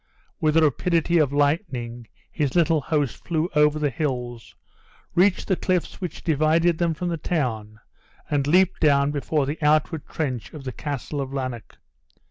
With the rapidity of lightning his little host flew over the hills, reached the cliffs which divided them from the town, and leaped down before the outward trench of the castle of Lanark.